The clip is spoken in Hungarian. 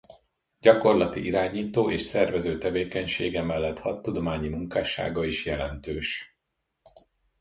Gyakorlati irányító és szervező tevékenysége mellett hadtudományi munkássága is jelentős.